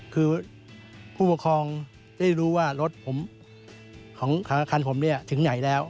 คือผู้ปกครองได้รู้ว่ารถของข้างคันผมถึงไหนแล้ว